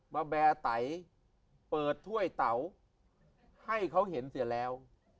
มาแบร์ไตเปิดถ้วยเตาให้เขาเห็นเสียแล้ว